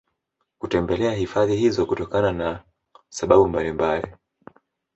kutembelea hifadhi hizo kutokana na sababu mbalimbali